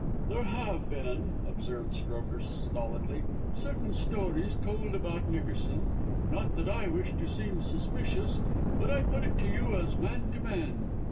"There have been," observed Strokher stolidly, "certain stories told about Nickerson. Not that I wish to seem suspicious, but I put it to you as man to man."